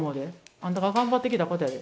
あんたが頑張ってきたことやで。